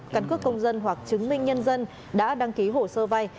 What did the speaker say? căn cước công dân hoặc chứng minh nhân dân đã đăng ký hồ sơ vay